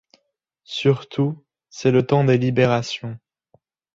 Surtout, c’est le temps des libérations.